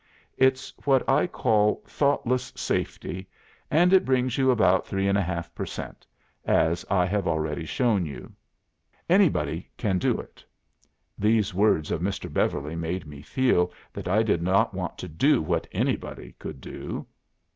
It's what I call thoughtless safety, and it brings you about 3 1 2 per cent, as I have already shown you. Anybody can do it.' These words of Mr. Beverly made me feel that I did not want to do what anybody could do.